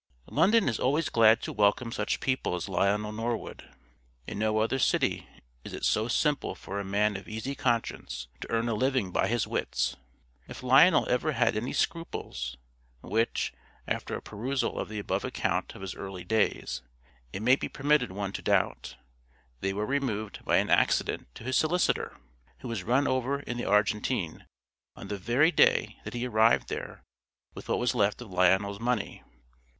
London is always glad to welcome such people as Lionel Norwood. In no other city is it so simple for a man of easy conscience to earn a living by his wits. If Lionel ever had any scruples (which, after a perusal of the above account of his early days, it may be permitted one to doubt) they were removed by an accident to his solicitor, who was run over in the Argentine on the very day that he arrived there with what was left of Lionel's money.